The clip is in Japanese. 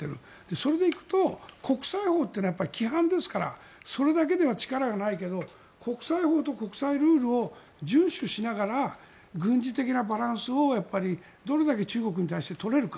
そこで行くと国際法は規範ですからそれだけでは力がないけど国際法と国際ルールを順守しながら軍事的なバランスをどれだけ中国に対して取れるか。